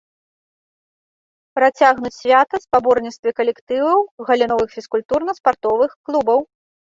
Працягнуць свята спаборніцтвы калектываў галіновых фізкультурна-спартовых клубаў.